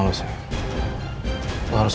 lo harus lebih berhati hati